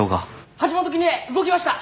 橋本絹江動きました！